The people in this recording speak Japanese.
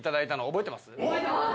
「覚えてます！」